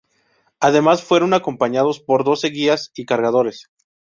Además fueron acompañados por doce guías y cargadores.